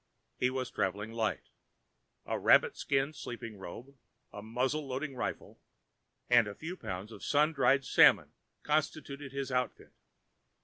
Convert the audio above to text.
He was travelling light. A rabbit skin sleeping robe, a muzzle loading rifle, and a few pounds of sun dried salmon constituted his outfit.